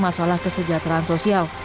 masalah kesejahteraan sosial